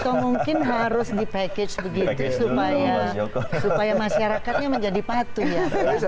atau mungkin harus di package begitu supaya masyarakatnya menjadi patuh ya